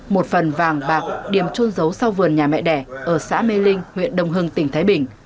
một phần vàng bạc điểm trôn giấu sau vườn nhà mẹ đẻ ở xã mê linh huyện đồng hưng tỉnh thái bình